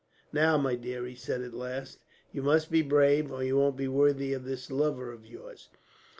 "Now, my dear," he said at last, "you must be brave, or you won't be worthy of this lover of yours.